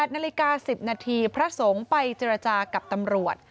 ๘นาฬิกา๑๐นาทีพระสงฆ์ไปเจรจากับตำรวจ